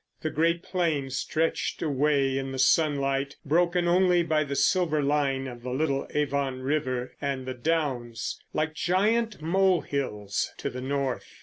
The great plain stretched away in the sunlight, broken only by the silver line of the little Avon river and the Downs—like giant molehills—to the north.